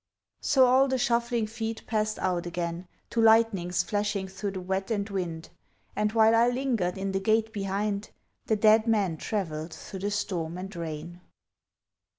So all the shuffling feet passed out again To lightnings flashing through the wet and wind, And while I lingered in the gate behind The dead man travelled through the storm and rain.